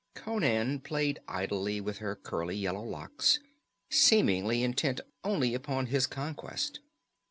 Conan played idly with her curly yellow locks, seemingly intent only upon his conquest.